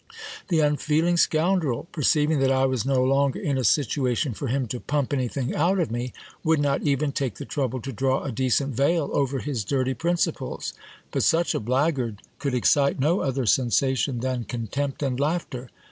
The un feeling scoundrel, perceiving that I was no longer in a situation for him to pump anything out of me, would not even take the trouble to draw a decent veil over his dirty principles. But such a blackguard could excite no other sensa tion than contempt and laughter.